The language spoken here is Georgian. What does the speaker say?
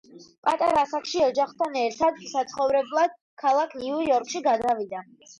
პატარა ასაკში ოჯახთან ერთად საცხოვრებლად ქალაქ ნიუ-იორკში გადავიდა.